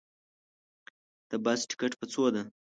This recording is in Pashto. د بس ټکټ په څو ده